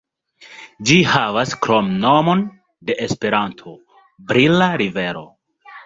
Ĝi havas kromnomon de Esperanto, "Brila Rivero".